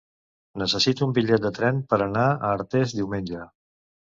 Necessito un bitllet de tren per anar a Artés diumenge.